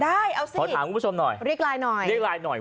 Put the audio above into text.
ได้เอาสิเรียกไลน์หน่อยขอถามคุณผู้ชมหน่อย